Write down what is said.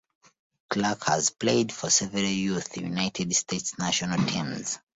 Clark has played for several youth United States national teams.